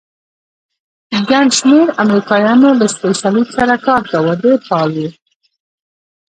ګڼ شمېر امریکایانو له سرې صلیب سره کار کاوه، ډېر فعال وو.